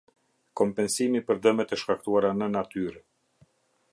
Kompensimi për dëmet e shkaktuara në natyrë.